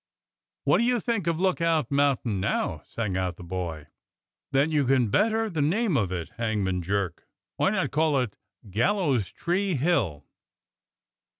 "What do you think of Lookout Mountain now.^" sang out the boy. "That you can better the name of it, Hangman Jerk. Why not call it Gallows Tree Hill?